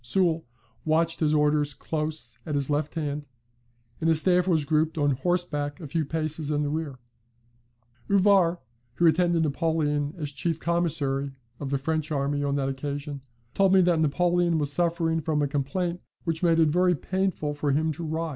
Soult watched his orders close at his left hand, and his staff was grouped on horseback a few paces in the rear. ["Souvenirs Militaires," par Col. Lemonnier Delafosse, p. 407. "Ouvrard, who attended Napoleon as chief commissary of the French army on that occasion, told me that Napoleon was suffering from a complaint which made it very painful for him to ride."